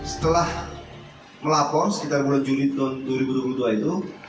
setelah melapor sekitar bulan juli dua ribu dua puluh dua itu